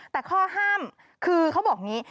แต่ข้อห้ามคือเขาบอกอย่างนี้